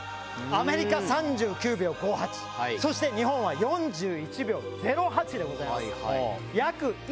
アメリカ３９秒５８そして日本は４１秒０８でございました。